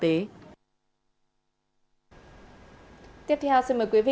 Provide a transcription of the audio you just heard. tiếp theo xin mời quý vị cùng theo dõi các tin tức kinh tế đáng chú ý khác đến từ trường quay việt nam